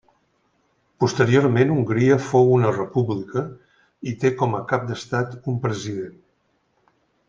Posteriorment Hongria fou una república i té com a cap d'estat un president.